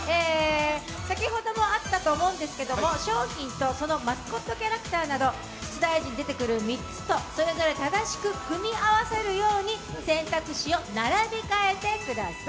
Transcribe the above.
先ほどもあったと思うんですけども、商品とそのマスコットキャラクターなど出題時に出てくる３つと正しく組み合わせるように選択肢を並び替えてください。